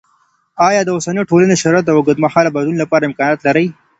آیا د اوسني ټولني شرایط د اوږدمهاله بدلون لپاره امکانات لري؟